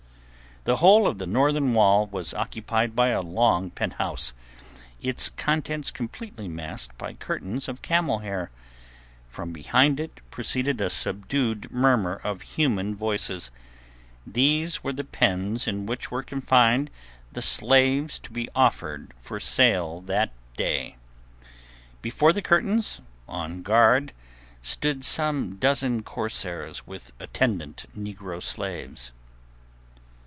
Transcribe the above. The whole of the northern wall was occupied by a long penthouse, its contents completely masked by curtains of camel hair; from behind it proceeded a subdued murmur of human voices. These were the pens in which were confined the slaves to be offered for sale that day. Before the curtains, on guard, stood some dozen corsairs with attendant negro slaves.